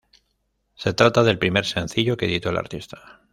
Se trata del primer sencillo que editó el artista.